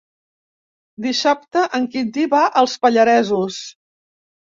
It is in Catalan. Dissabte en Quintí va als Pallaresos.